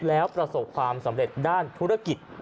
แล้วประสบความสำเร็จด้านธุรกิจ